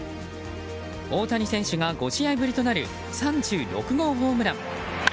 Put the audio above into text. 大谷選手が５試合ぶりとなる３６号ホームラン。